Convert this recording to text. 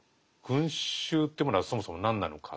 群衆というものはそもそも何なのか？